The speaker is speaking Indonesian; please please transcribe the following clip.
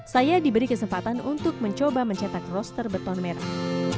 saya diberi kesempatan untuk mencoba mencetak roster beton merah